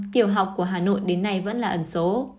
tiểu học của hà nội đến nay vẫn là ẩn số